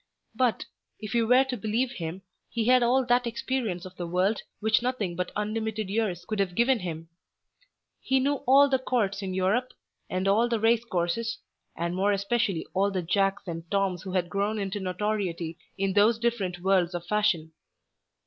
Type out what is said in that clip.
But, if you were to believe him, he had all that experience of the world which nothing but unlimited years could have given him. He knew all the Courts in Europe, and all the race courses, and more especially all the Jacks and Toms who had grown into notoriety in those different worlds of fashion.